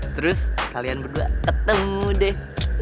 terus kalian berdua ketemu deh